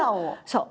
そう。